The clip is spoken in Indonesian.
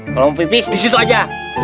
kalau mau pipis disitu aja